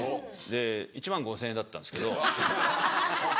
１万５０００円だったんですけど。ハハハハ！